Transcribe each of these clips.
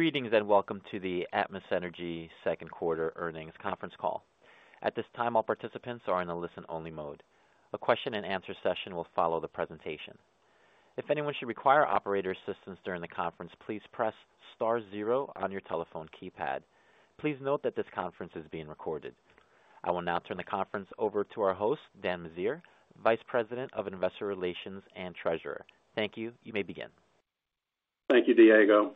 Greetings, and welcome to the Atmos Energy second quarter earnings conference call. At this time, all participants are in a listen-only mode. A question and answer session will follow the presentation. If anyone should require operator assistance during the conference, please press star zero on your telephone keypad. Please note that this conference is being recorded. I will now turn the conference over to our host, Daniel M. Meziere, Vice President of Investor Relations and Treasurer. Thank you. You may begin. Thank you, Diego.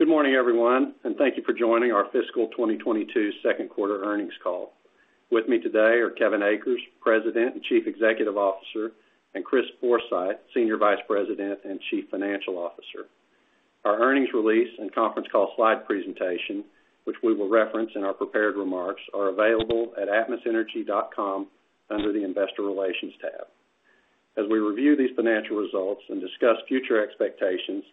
Good morning, everyone, and thank you for joining our fiscal 2022 second quarter earnings call. With me today are Kevin Akers, President and Chief Executive Officer, and Chris Forsythe, Senior Vice President and Chief Financial Officer. Our earnings release and conference call slide presentation, which we will reference in our prepared remarks, are available at atmosenergy.com under the Investor Relations tab. As we review these financial results and discuss future expectations,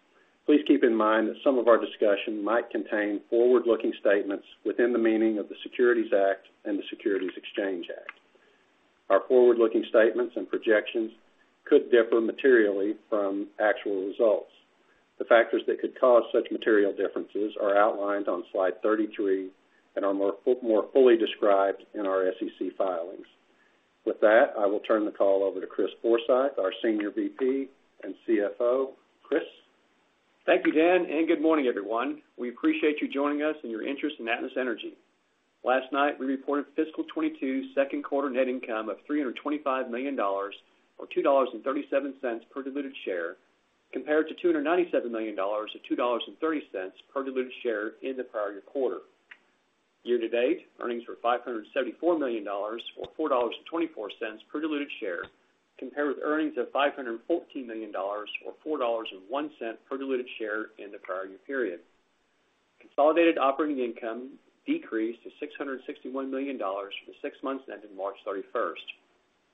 please keep in mind that some of our discussion might contain forward-looking statements within the meaning of the Securities Act and the Securities Exchange Act. Our forward-looking statements and projections could differ materially from actual results. The factors that could cause such material differences are outlined on slide 33 and are more fully described in our SEC filings. With that, I will turn the call over to Chris Forsythe, our Senior VP and CFO. Chris. Thank you, Dan, and good morning, everyone. We appreciate you joining us and your interest in Atmos Energy. Last night, we reported fiscal 2022 second quarter net income of $325 million, or $2.37 per diluted share, compared to $297 million at $2.30 per diluted share in the prior quarter. Year-to-date, earnings were $574 million or $4.24 per diluted share, compared with earnings of $514 million or $4.01 per diluted share in the prior year period. Consolidated operating income decreased to $661 million for the six months ending March 31.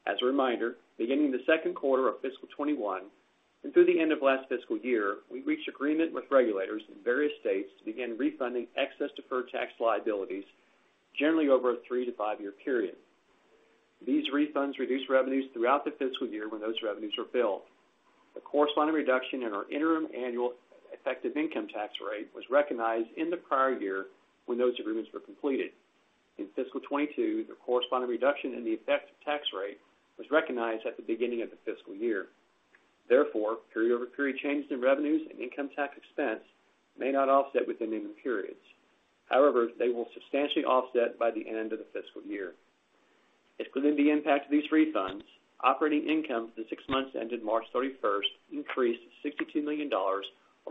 As a reminder, beginning the second quarter of fiscal 2021 and through the end of last fiscal year, we reached agreement with regulators in various states to begin refunding excess deferred tax liabilities, generally over a three-five-year period. These refunds reduce revenues throughout the fiscal year when those revenues are billed. The corresponding reduction in our interim annual effective income tax rate was recognized in the prior year when those agreements were completed. In fiscal 2022, the corresponding reduction in the effective tax rate was recognized at the beginning of the fiscal year. Therefore, period-over-period changes in revenues and income tax expense may not offset within the periods. However, they will substantially offset by the end of the fiscal year. Excluding the impact of these refunds, operating income for the six months ended March 31st increased $62 million or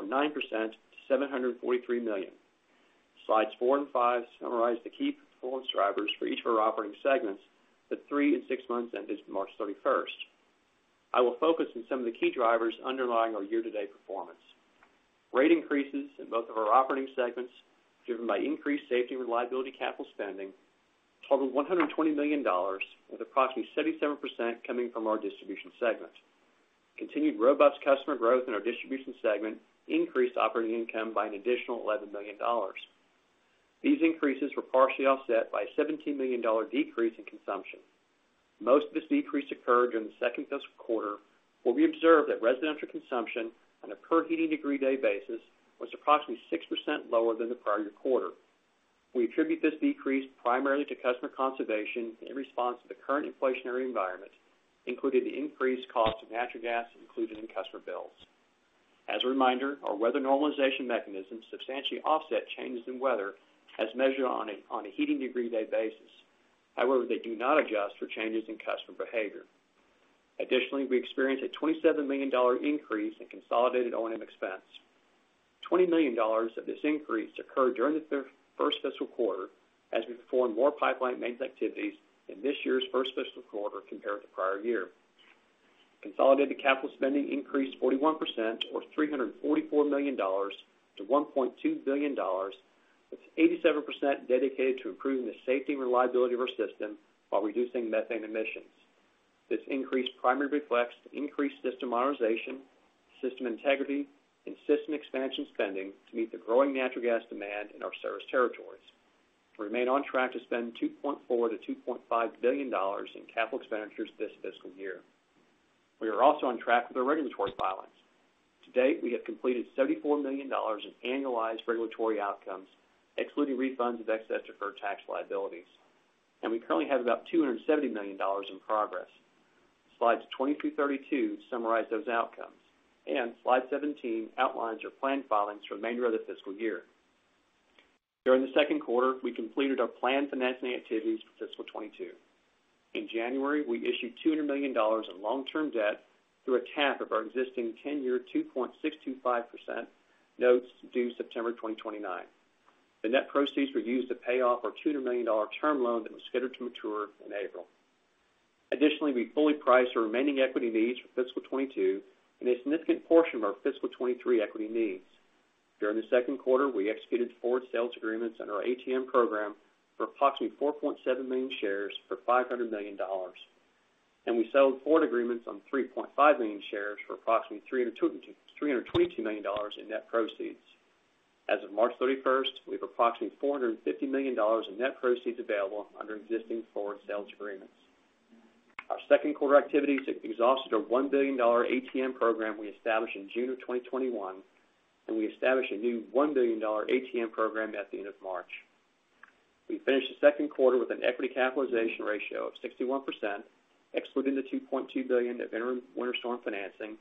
9% to $743 million. Slides four and five summarize the key performance drivers for each of our operating segments, the three and six months ended March 31st. I will focus on some of the key drivers underlying our year-to-date performance. Rate increases in both of our operating segments, driven by increased safety and reliability capital spending, totaled $120 million, with approximately 77% coming from our distribution segment. Continued robust customer growth in our distribution segment increased operating income by an additional $11 million. These increases were partially offset by a $17 million decrease in consumption. Most of this decrease occurred during the second fiscal quarter, where we observed that residential consumption on a per heating degree day basis was approximately 6% lower than the prior quarter. We attribute this decrease primarily to customer conservation in response to the current inflationary environment, including the increased cost of natural gas included in customer bills. As a reminder, our weather normalization mechanisms substantially offset changes in weather as measured on a heating degree day basis. However, they do not adjust for changes in customer behavior. Additionally, we experienced a $27 million increase in consolidated O&M expense. $20 million of this increase occurred during the first fiscal quarter as we performed more pipeline maintenance activities in this year's first fiscal quarter compared to prior year. Consolidated capital spending increased 41%, or $344 million-$1.2 billion, with 87% dedicated to improving the safety and reliability of our system while reducing methane emissions. This increase primarily reflects the increased system modernization, system integrity, and system expansion spending to meet the growing natural gas demand in our service territories. We remain on track to spend $2.4 billion-$2.5 billion in capital expenditures this fiscal year. We are also on track with our regulatory filings. To date, we have completed $74 million in annualized regulatory outcomes, excluding refunds of excess deferred tax liabilities, and we currently have about $270 million in progress. Slides 20 through 32 summarize those outcomes, and slide 17 outlines our planned filings for the remainder of the fiscal year. During the second quarter, we completed our planned financing activities for fiscal 2022. In January, we issued $200 million of long-term debt through a tap of our existing 10-year 2.625% notes due September 2029. The net proceeds were used to pay off our $200 million term loan that was scheduled to mature in April. Additionally, we fully priced our remaining equity needs for fiscal 2022 and a significant portion of our fiscal 2023 equity needs. During the second quarter, we executed forward sales agreements on our ATM program for approximately 4.7 million shares for $500 million, and we sold forward agreements on 3.5 million shares for approximately $322 million in net proceeds. As of March 31st, we have approximately $450 million in net proceeds available under existing forward sales agreements. Our second quarter activities exhausted our $1 billion ATM program we established in June 2021, and we established a new $1 billion ATM program at the end of March. We finished the second quarter with an equity capitalization ratio of 61%, excluding the $2.2 billion of interim Winter Storm financing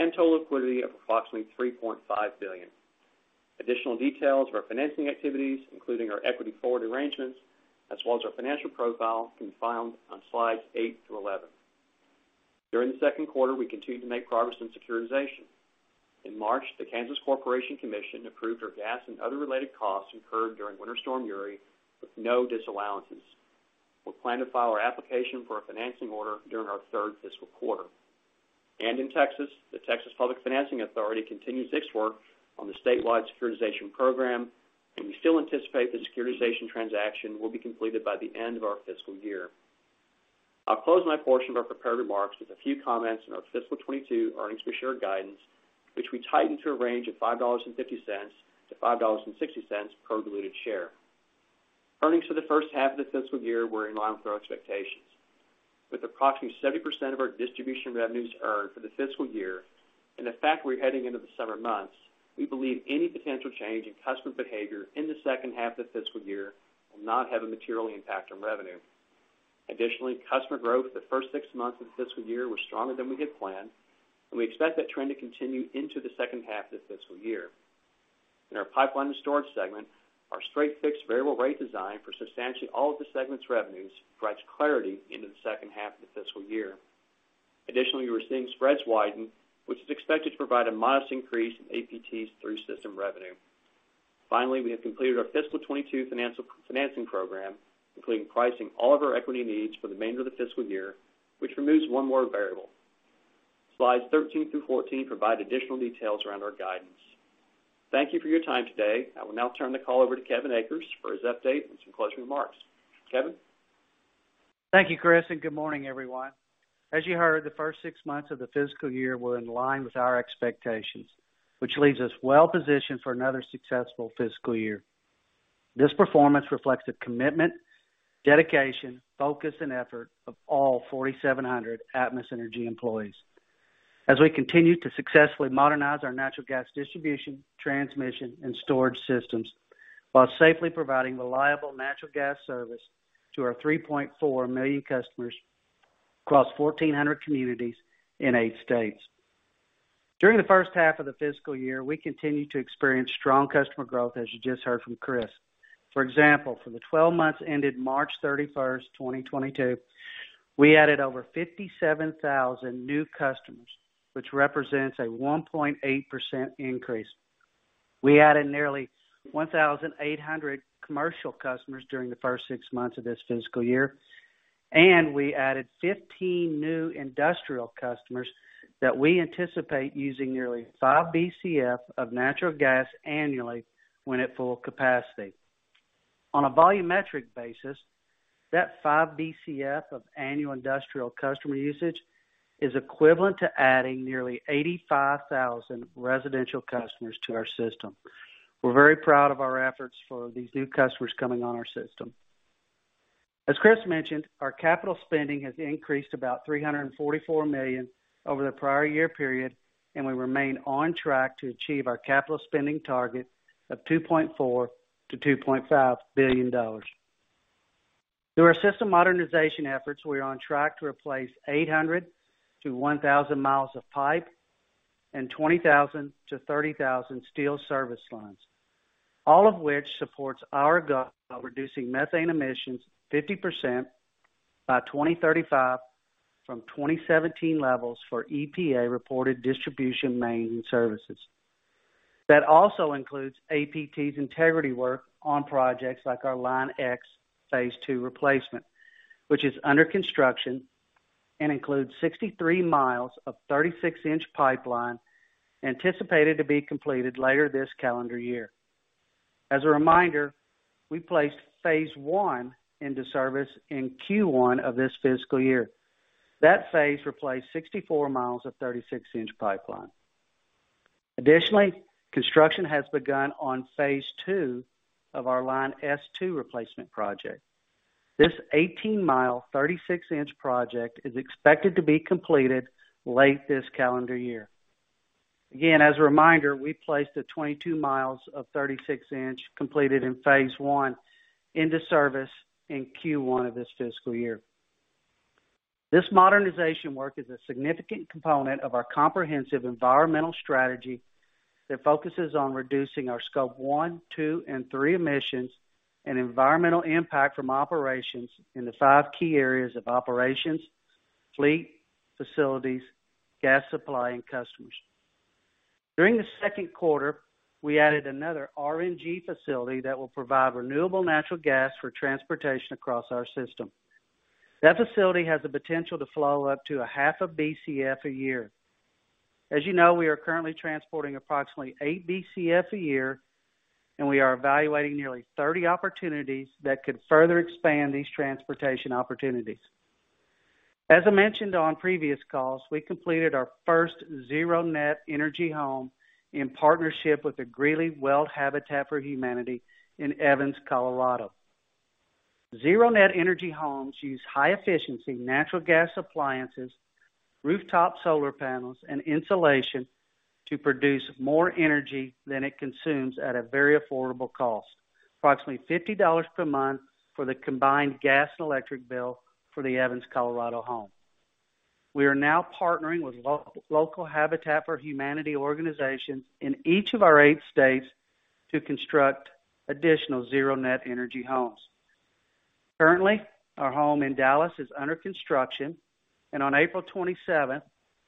and total liquidity of approximately $3.5 billion. Additional details of our financing activities, including our equity forward arrangements as well as our financial profile, can be found on slides eight through 11. During the second quarter, we continued to make progress in securitization. In March, the Kansas Corporation Commission approved our gas and other related costs incurred during Winter Storm Uri with no disallowances. We plan to file our application for a financing order during our third fiscal quarter. In Texas, the Texas Public Finance Authority continues its work on the statewide securitization program, and we still anticipate the securitization transaction will be completed by the end of our fiscal year. I'll close my portion of our prepared remarks with a few comments on our fiscal 2022 earnings per share guidance, which we tightened to a range of $5.50-$5.60 per diluted share. Earnings for the first half of the fiscal year were in line with our expectations. With approximately 70% of our distribution revenues earned for the fiscal year and the fact we're heading into the summer months, we believe any potential change in customer behavior in the second half of the fiscal year will not have a material impact on revenue. Additionally, customer growth the first six months of the fiscal year was stronger than we had planned, and we expect that trend to continue into the second half of the fiscal year. In our pipeline and storage segment, our straight fixed-variable rate design for substantially all of the segment's revenues provides clarity into the second half of the fiscal year. Additionally, we're seeing spreads widen, which is expected to provide a modest increase in APT's throughput revenue. Finally, we have completed our fiscal 2022 financing program, including pricing all of our equity needs for the remainder of the fiscal year, which removes one more variable. Slides 13 through 14 provide additional details around our guidance. Thank you for your time today. I will now turn the call over to Kevin Akers for his update and some closing remarks. Kevin? Thank you, Chris, and good morning, everyone. As you heard, the first six months of the fiscal year were in line with our expectations, which leaves us well positioned for another successful fiscal year. This performance reflects the commitment, dedication, focus, and effort of all 4,700 Atmos Energy employees. As we continue to successfully modernize our natural gas distribution, transmission, and storage systems, while safely providing reliable natural gas service to our 3.4 million customers across 1,400 communities in eight states. During the first half of the fiscal year, we continued to experience strong customer growth, as you just heard from Chris. For example, for the 12 months ended March 31st, 2022, we added over 57,000 new customers, which represents a 1.8% increase. We added nearly 1,800 commercial customers during the first six months of this fiscal year, and we added 15 new industrial customers that we anticipate using nearly 5 Bcf of natural gas annually when at full capacity. On a volumetric basis, that 5 Bcf of annual industrial customer usage is equivalent to adding nearly 85,000 residential customers to our system. We're very proud of our efforts for these new customers coming on our system. As Chris mentioned, our capital spending has increased about $344 million over the prior year period, and we remain on track to achieve our capital spending target of $2.4 billion-$2.5 billion. Through our system modernization efforts, we are on track to replace 800-1,000 miles of pipe and 20,000-30,000 steel service lines, all of which supports our goal of reducing methane emissions 50% by 2035 from 2017 levels for EPA-reported distribution, main, and services. That also includes APT's integrity work on projects like our Line X Phase II replacement, which is under construction and includes 63 miles of 36-inch pipeline anticipated to be completed later this calendar year. As a reminder, we placed Phase I into service in Q1 of this fiscal year. That phase replaced 64 miles of 36-inch pipeline. Additionally, construction has begun on Phase II of our Line S-II replacement project. This 18-mile, 36-inch project is expected to be completed late this calendar year. Again, as a reminder, we placed the 22 miles of 36-inch completed in phase one into service in Q1 of this fiscal year. This modernization work is a significant component of our comprehensive environmental strategy that focuses on reducing our scope one, two, and three emissions and environmental impact from operations in the five key areas of operations, fleet, facilities, gas supply, and customers. During the second quarter, we added another RNG facility that will provide renewable natural gas for transportation across our system. That facility has the potential to flow up to a 0.5 Bcf a year. As you know, we are currently transporting approximately 8 Bcf a year, and we are evaluating nearly 30 opportunities that could further expand these transportation opportunities. As I mentioned on previous calls, we completed our first zero net energy home in partnership with the Greeley-Weld Habitat for Humanity in Evans, Colorado. Zero net energy homes use high efficiency natural gas appliances, rooftop solar panels, and insulation to produce more energy than it consumes at a very affordable cost. Approximately $50 per month for the combined gas and electric bill for the Evans, Colorado home. We are now partnering with local Habitat for Humanity organizations in each of our eight states to construct additional zero net energy homes. Currently, our home in Dallas is under construction, and on April 27,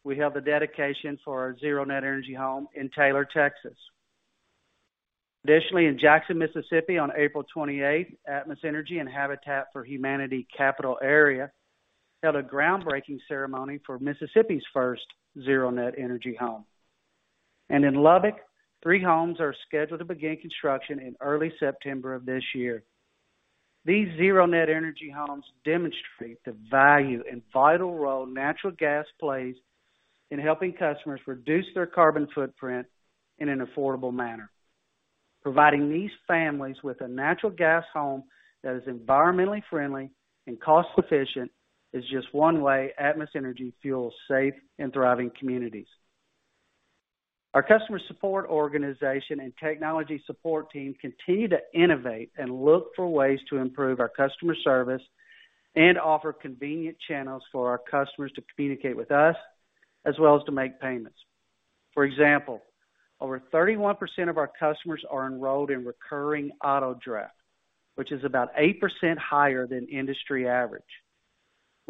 we held the dedication for our zero net energy home in Taylor, Texas. Additionally, in Jackson, Mississippi, on April 28, Atmos Energy and Habitat for Humanity Capital Area held a groundbreaking ceremony for Mississippi's first zero net energy home. In Lubbock, three homes are scheduled to begin construction in early September of this year. These zero net energy homes demonstrate the value and vital role natural gas plays in helping customers reduce their carbon footprint in an affordable manner. Providing these families with a natural gas home that is environmentally friendly and cost efficient is just one way Atmos Energy fuels safe and thriving communities. Our customer support organization and technology support team continue to innovate and look for ways to improve our customer service and offer convenient channels for our customers to communicate with us, as well as to make payments. For example, over 31% of our customers are enrolled in recurring auto draft, which is about 8% higher than industry average.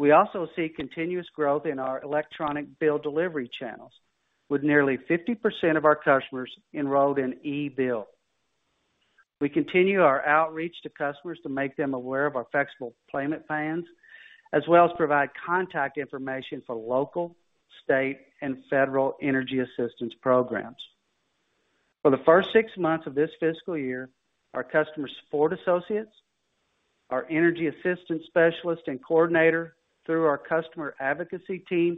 We also see continuous growth in our electronic bill delivery channels with nearly 50% of our customers enrolled in e-bill. We continue our outreach to customers to make them aware of our flexible payment plans, as well as provide contact information for local, state, and federal energy assistance programs. For the first six months of this fiscal year, our customer support associates, our energy assistant specialist, and coordinator through our customer advocacy team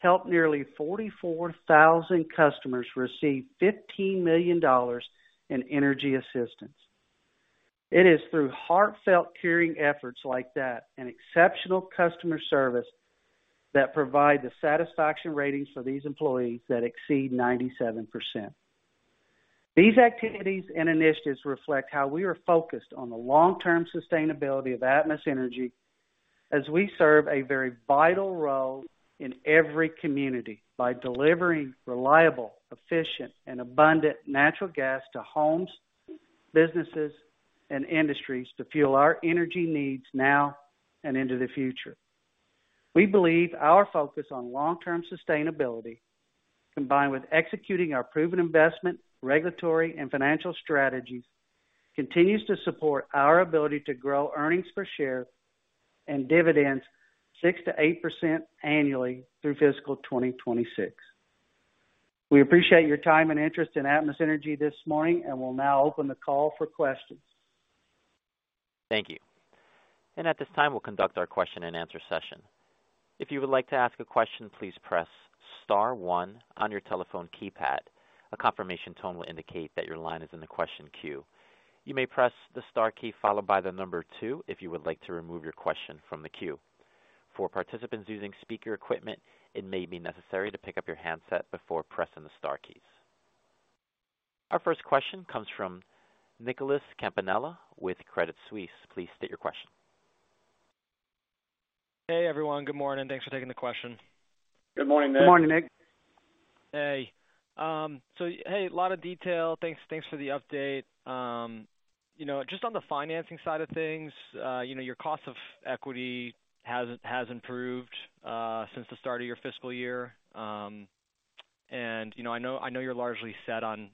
helped nearly 44,000 customers receive $15 million in energy assistance. It is through heartfelt caring efforts like that and exceptional customer service that provide the satisfaction ratings for these employees that exceed 97%. These activities and initiatives reflect how we are focused on the long-term sustainability of Atmos Energy as we serve a very vital role in every community by delivering reliable, efficient, and abundant natural gas to homes, businesses, and industries to fuel our energy needs now and into the future. We believe our focus on long-term sustainability, combined with executing our proven investment, regulatory, and financial strategies, continues to support our ability to grow earnings per share and dividends 6%-8% annually through fiscal 2026. We appreciate your time and interest in Atmos Energy this morning, and we'll now open the call for questions. Thank you. At this time, we'll conduct our question-and-answer session. If you would like to ask a question, please press star one on your telephone keypad. A confirmation tone will indicate that your line is in the question queue. You may press the star key followed by the number two if you would like to remove your question from the queue. For participants using speaker equipment, it may be necessary to pick up your handset before pressing the star keys. Our first question comes from Nicholas Campanella with Credit Suisse. Please state your question. Hey, everyone. Good morning. Thanks for taking the question. Good morning, Nick. Good morning, Nick. Hey. A lot of detail. Thanks for the update. You know, just on the financing side of things, you know, your cost of equity has improved since the start of your fiscal year. You know, I know you're largely set on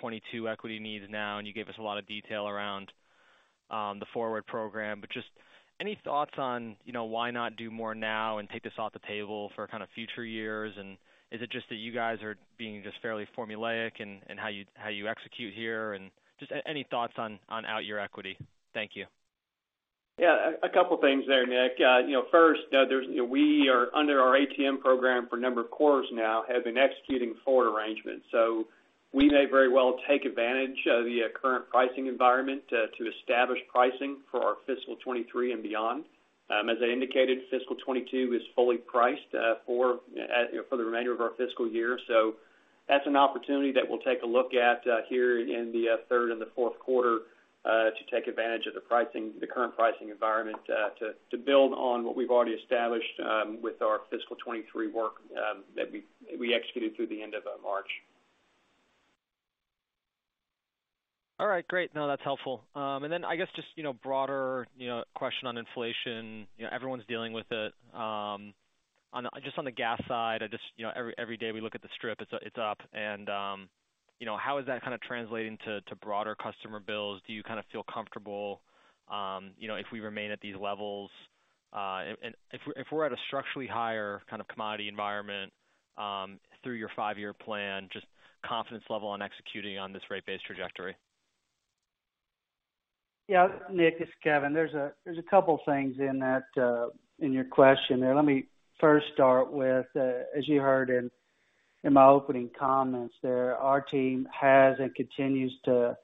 22 equity needs now, and you gave us a lot of detail around the forward program. Just any thoughts on why not do more now and take this off the table for kind of future years? Is it just that you guys are being just fairly formulaic in how you execute here? Just any thoughts on how your equity. Thank you. Yeah, a couple things there, Nick. You know, first, there's you know, we are under our ATM program for a number of quarters now, have been executing forward arrangements. We may very well take advantage of the current pricing environment to establish pricing for our fiscal 2023 and beyond. As I indicated, fiscal 2022 is fully priced for you know, for the remainder of our fiscal year. That's an opportunity that we'll take a look at here in the third and the fourth quarter to take advantage of the pricing, the current pricing environment to build on what we've already established with our fiscal 2023 work that we executed through the end of March. All right, great. No, that's helpful. Then I guess just, you know, broader, you know, question on inflation. You know, everyone's dealing with it. Just on the gas side, I just, you know, every day we look at the strip, it's up. You know, how is that kind of translating to broader customer bills? Do you kind of feel comfortable, you know, if we remain at these levels? And if we're at a structurally higher kind of commodity environment, through your five-year plan, just confidence level on executing on this rate base trajectory. Yeah. Nick, it's Kevin. There's a couple things in that in your question there. Let me first start with as you heard in my opening comments there, our team has and continues to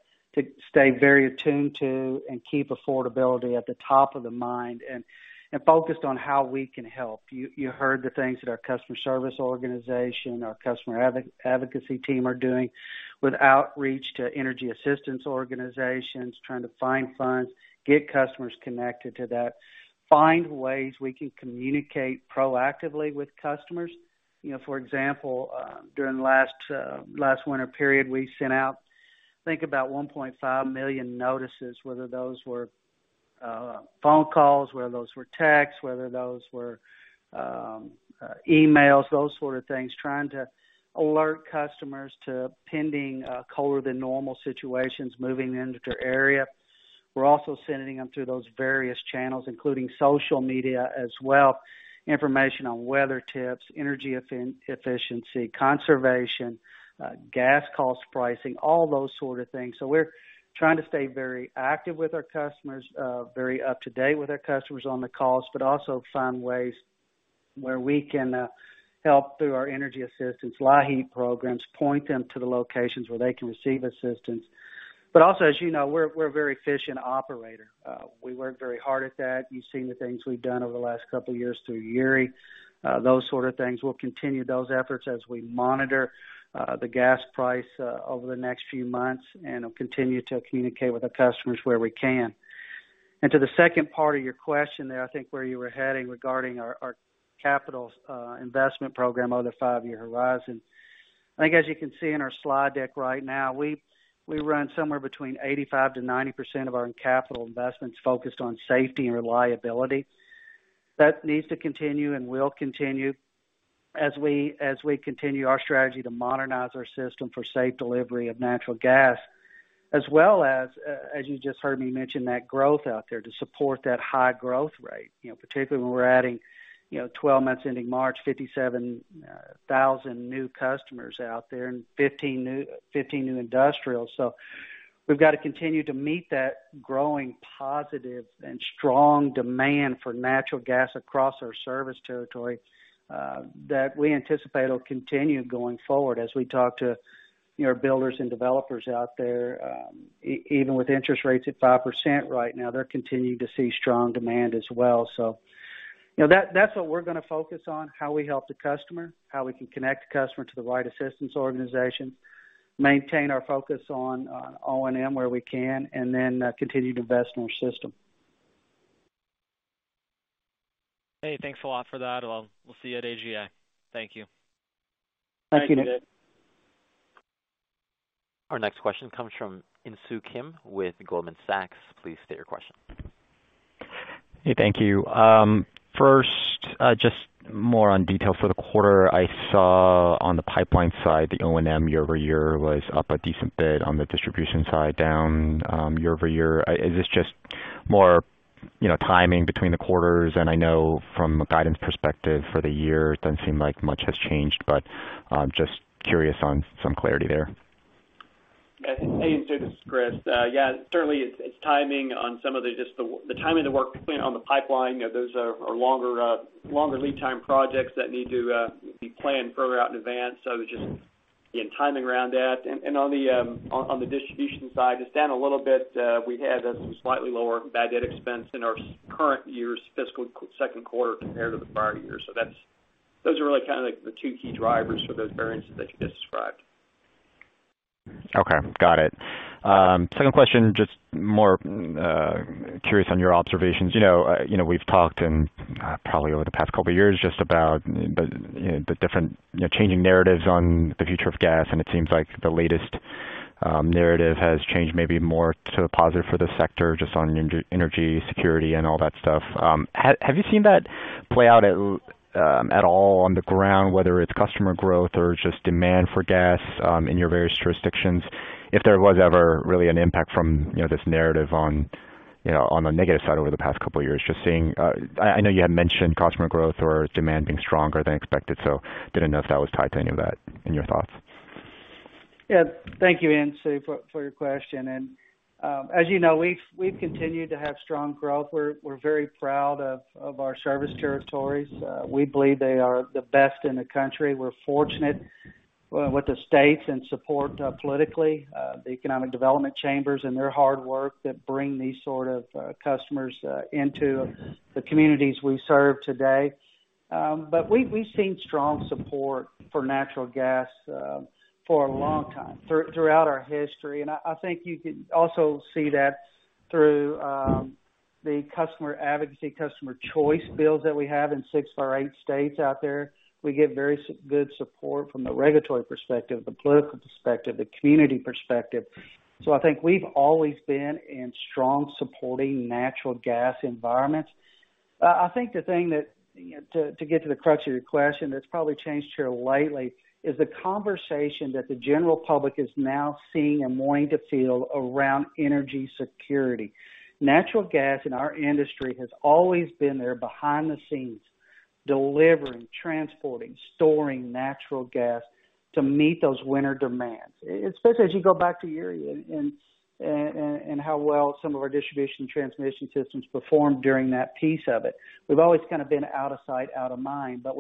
stay very attuned to and keep affordability at the top of the mind and focused on how we can help. You heard the things that our customer service organization, our customer advocacy team are doing with outreach to energy assistance organizations, trying to find funds, get customers connected to that, find ways we can communicate proactively with customers. You know, for example, during the last winter period, we sent out, I think about 1.5 million notices, whether those were phone calls, whether those were texts, whether those were emails, those sort of things, trying to alert customers to pending colder than normal situations moving into their area. We're also sending them through those various channels, including social media as well, information on weather tips, energy efficiency, conservation, gas cost pricing, all those sort of things. We're trying to stay very active with our customers, very up-to-date with our customers on the cost, but also find ways where we can help through our energy assistance LIHEAP programs, point them to the locations where they can receive assistance. As you know, we're a very efficient operator. We work very hard at that. You've seen the things we've done over the last couple of years through EERE, those sort of things. We'll continue those efforts as we monitor the gas price over the next few months, and we'll continue to communicate with our customers where we can. To the second part of your question there, I think where you were heading regarding our capital investment program over the five-year horizon. I think as you can see in our slide deck right now, we run somewhere between 85%-90% of our capital investments focused on safety and reliability. That needs to continue and will continue as we continue our strategy to modernize our system for safe delivery of natural gas, as well as you just heard me mention, that growth out there to support that high growth rate. You know, particularly when we're adding, you know, 12 months ending March, 57,000 new customers out there and 15 new industrials. We've got to continue to meet that growing positive and strong demand for natural gas across our service territory that we anticipate will continue going forward as we talk to, you know, builders and developers out there. Even with interest rates at 5% right now, they're continuing to see strong demand as well. You know, that's what we're gonna focus on, how we help the customer, how we can connect the customer to the right assistance organization, maintain our focus on O&M where we can, and then continue to invest in our system. Hey, thanks a lot for that. Well, we'll see you at AGA. Thank you. Thank you, Nick. Our next question comes from Insoo Kim with Goldman Sachs. Please state your question. Hey, thank you. First, just more in detail for the quarter. I saw on the pipeline side, the O&M year-over-year was up a decent bit on the distribution side, down year-over-year. Is this just more, you know, timing between the quarters? I know from a guidance perspective for the year, it doesn't seem like much has changed, but just curious on some clarity there. Hey, Insoo, this is Chris. Yeah, certainly it's timing on some of the just the timing of the work being on the pipeline. Those are longer lead time projects that need to be planned further out in advance. Just in timing around that. On the distribution side, just down a little bit, we had a slightly lower bad debt expense in our current year's fiscal second quarter compared to the prior year. That's those are really kind of the two key drivers for those variances that you just described. Okay, got it. Second question, just more curious on your observations. You know, we've talked in probably over the past couple of years just about the different, you know, changing narratives on the future of gas, and it seems like the latest narrative has changed maybe more to a positive for the sector just on energy security and all that stuff. Have you seen that play out at all on the ground, whether it's customer growth or just demand for gas in your various jurisdictions? If there was ever really an impact from this narrative on the negative side over the past couple of years, just seeing. I know you had mentioned customer growth or demand being stronger than expected, so didn't know if that was tied to any of that in your thoughts. Yeah. Thank you, Insoo, for your question. As you know, we've continued to have strong growth. We're very proud of our service territories. We believe they are the best in the country. We're fortunate with the states and support, politically, the economic development chambers and their hard work that bring these sort of customers into the communities we serve today. We've seen strong support for natural gas for a long time, throughout our history. I think you can also see that through the customer advocacy, customer choice bills that we have in six of our eight states out there. We get very good support from the regulatory perspective, the political perspective, the community perspective. I think we've always been in strong supporting natural gas environments. I think the thing that, you know, to get to the crux of your question that's probably changed here lately is the conversation that the general public is now seeing and wanting to feel around energy security. Natural gas in our industry has always been there behind the scenes, delivering, transporting, storing natural gas to meet those winter demands. Especially as you go back to Uri and how well some of our distribution transmission systems performed during that piece of it. We've always kind of been out of sight, out of mind, but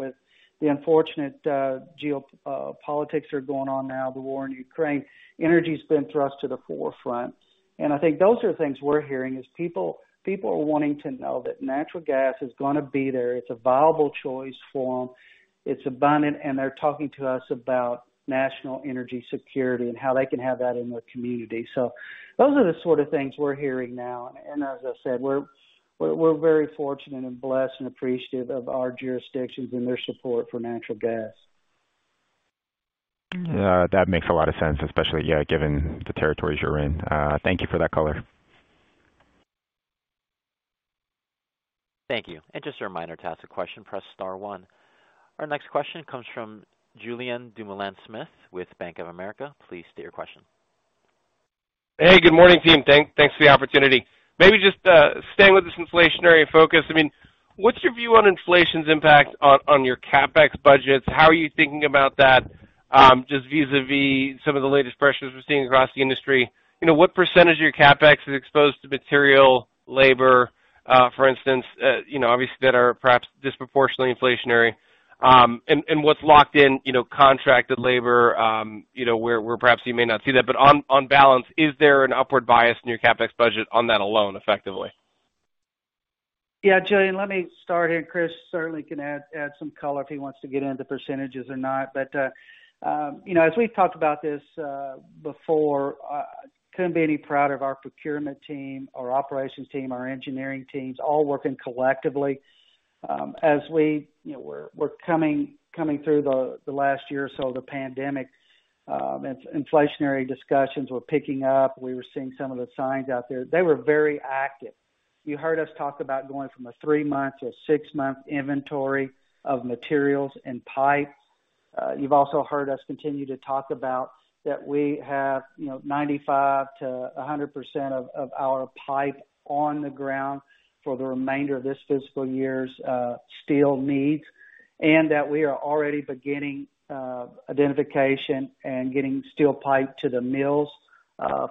with the unfortunate geopolitics going on now, the war in Ukraine, energy's been thrust to the forefront. I think those are things we're hearing is people are wanting to know that natural gas is gonna be there. It's a viable choice for them. It's abundant, and they're talking to us about national energy security and how they can have that in their community. Those are the sort of things we're hearing now. As I said, we're very fortunate and blessed and appreciative of our jurisdictions and their support for natural gas. Yeah, that makes a lot of sense, especially, yeah, given the territories you're in. Thank you for that color. Thank you. Just a reminder to ask a question, press star one. Our next question comes from Julien Dumoulin-Smith with Bank of America. Please state your question. Hey, good morning, team. Thanks for the opportunity. Maybe just staying with this inflationary focus. I mean, what's your view on inflation's impact on your CapEx budgets? How are you thinking about that just vis-à-vis some of the latest pressures we're seeing across the industry? You know, what percentage of your CapEx is exposed to material, labor for instance, you know, obviously that are perhaps disproportionately inflationary? And what's locked in, you know, contracted labor, you know, where perhaps you may not see that, but on balance, is there an upward bias in your CapEx budget on that alone, effectively? Yeah, Julien Dumoulin-Smith, let me start here. Chris Forsythe certainly can add some color if he wants to get into percentages or not. You know, as we've talked about this before, couldn't be any prouder of our procurement team, our operations team, our engineering teams, all working collectively. You know, we're coming through the last year or so of the pandemic, and inflationary discussions were picking up. We were seeing some of the signs out there. They were very active. You heard us talk about going from a three-month to a six-month inventory of materials and pipes. You've also heard us continue to talk about that we have, you know, 95%-100% of our pipe on the ground for the remainder of this fiscal year's steel needs, and that we are already beginning identification and getting steel pipe to the mills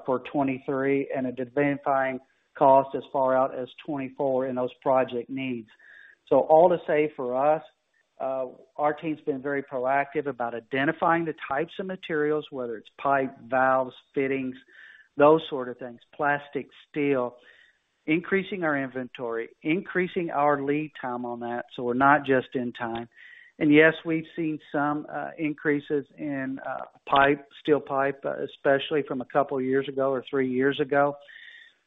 for 2023 and identifying costs as far out as 2024 in those project needs. All to say, for us, our team's been very proactive about identifying the types of materials, whether it's pipe, valves, fittings, those sort of things, plastic, steel, increasing our inventory, increasing our lead time on that, so we're not just in time. Yes, we've seen some increases in pipe, steel pipe, especially from a couple years ago or three years ago.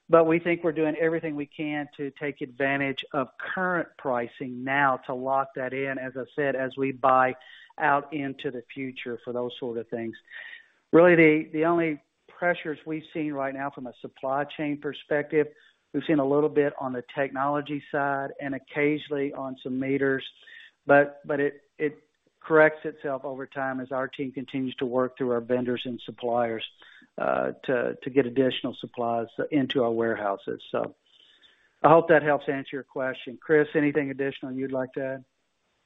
We think we're doing everything we can to take advantage of current pricing now to lock that in, as I said, as we buy out into the future for those sort of things. Really, the only pressures we've seen right now from a supply chain perspective, we've seen a little bit on the technology side and occasionally on some meters, but it corrects itself over time as our team continues to work through our vendors and suppliers, to get additional supplies into our warehouses. So I hope that helps answer your question. Chris, anything additional you'd like to add?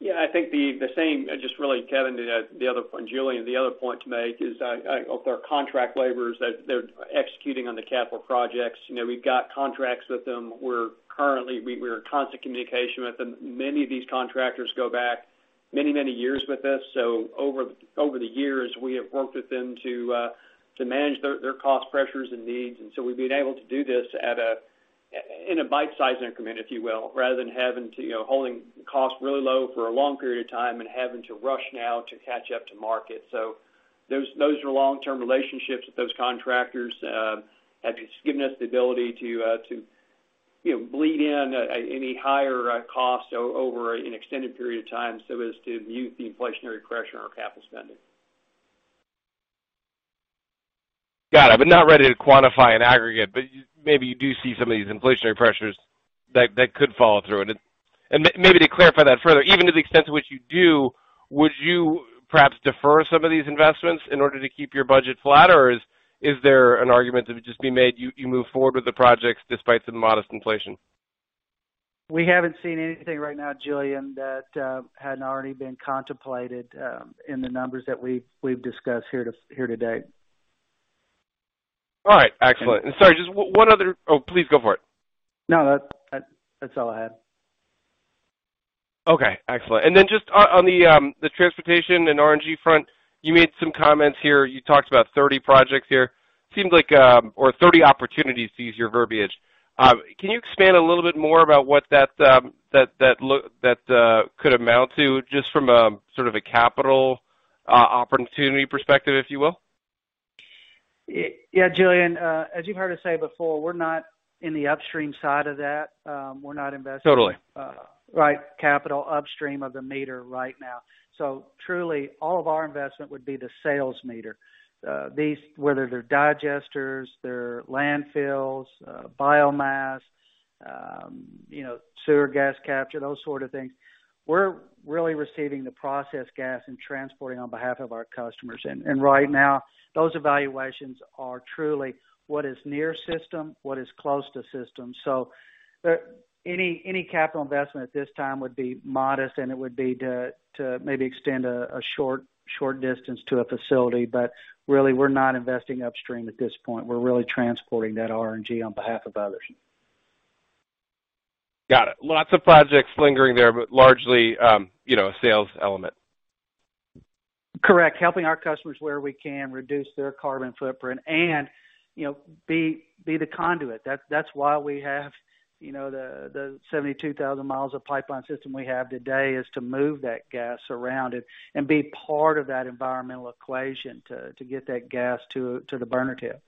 Yeah, I think the same, just really, Kevin, the other point, Julien, the other point to make is with our contractors that they're executing on the capital projects. You know, we've got contracts with them. We're in constant communication with them. Many of these contractors go back many years with us. So over the years, we have worked with them to manage their cost pressures and needs. We've been able to do this in a bite-sized increment, if you will, rather than having to, you know, holding costs really low for a long period of time and having to rush now to catch up to market. Those are long-term relationships with those contractors have just given us the ability to you know blend in any higher costs over an extended period of time so as to mute the inflationary pressure on our capital spending. Got it. Not ready to quantify and aggregate, but maybe you do see some of these inflationary pressures that could follow through. Maybe to clarify that further, even to the extent to which you do, would you perhaps defer some of these investments in order to keep your budget flat, or is there an argument that would just be made you move forward with the projects despite some modest inflation? We haven't seen anything right now, Julien, that hadn't already been contemplated in the numbers that we've discussed here today. All right. Excellent. Sorry, just one other. Oh, please go for it. No, that's all I had. Okay. Excellent. Just on the transportation and RNG front, you made some comments here. You talked about 30 projects here. Seemed like, or 30 opportunities to use your verbiage. Can you expand a little bit more about what that could amount to just from a sort of a capital opportunity perspective, if you will? Yeah, Julien, as you've heard us say before, we're not in the upstream side of that. We're not investing- Totally. Right, capital upstream of the meter right now. Truly, all of our investment would be the sales meter. These whether they're digesters, they're landfills, biomass, you know, sewer gas capture, those sort of things. We're really receiving the processed gas and transporting on behalf of our customers. Right now, those evaluations are truly what is near system, what is close to system. Any capital investment at this time would be modest, and it would be to maybe extend a short distance to a facility. Really, we're not investing upstream at this point. We're really transporting that RNG on behalf of others. Got it. Lots of projects lingering there, but largely, you know, a sales element. Correct. Helping our customers where we can reduce their carbon footprint and, you know, be the conduit. That's why we have, you know, the 72,000 miles of pipeline system we have today is to move that gas around and be part of that environmental equation to get that gas to the burner tip.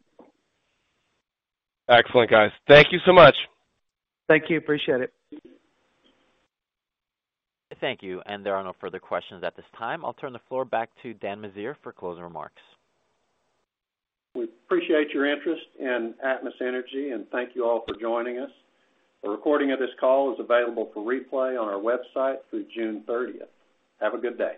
Excellent, guys. Thank you so much. Thank you. Appreciate it. Thank you. There are no further questions at this time. I'll turn the floor back to Daniel M. Meziere for closing remarks. We appreciate your interest in Atmos Energy, and thank you all for joining us. A recording of this call is available for replay on our website through June thirtieth. Have a good day.